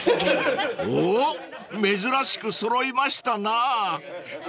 ［おお珍しく揃いましたな］